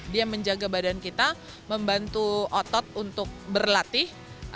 dia menjaga badan kita membantu otot untuk berlatih